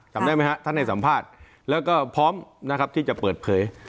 จำได้ไหมฮะท่านให้สัมภาษณ์แล้วก็พร้อมนะครับที่จะเปิดเผย